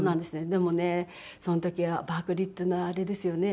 でもねその時はバークリーっていうのはあれですよね。